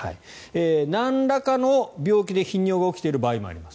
なんらかの病気で頻尿が起きている場合もあります。